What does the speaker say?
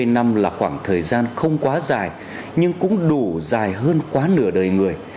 hai mươi năm là khoảng thời gian không quá dài nhưng cũng đủ dài hơn quá nửa đời người